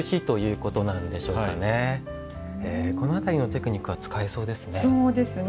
この辺りのテクニックは使えそうですね。